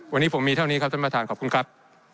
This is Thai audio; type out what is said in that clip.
วันนี้ผมมีเท่านี้ครับท่านประธานขอบคุณครับ